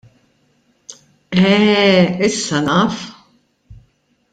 Eh, issa naf!